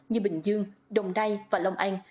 như bình dương đồng đai và lòng an